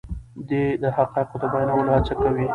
دی د حقایقو د بیانولو هڅه کوي.